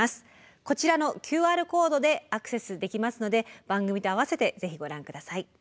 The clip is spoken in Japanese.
こちらのＱＲコードでアクセスできますので番組と併せてぜひご覧下さい。